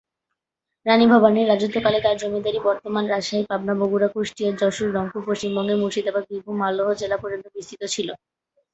রাণী ভবানীর রাজত্বকালে তার জমিদারি বর্তমান রাজশাহী, পাবনা, বগুড়া, কুষ্টিয়া, যশোর, রংপুর, পশ্চিমবঙ্গের মুর্শিদাবাদ, বীরভূম, মালদহ জেলা পর্যন্ত বিস্তৃত ছিল।